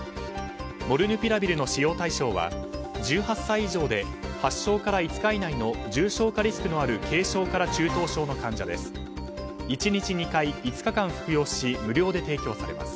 モルヌピラビルの使用対象は１８歳以上で発症から５日以内の重症化リスクのある軽症から中等症の患者です。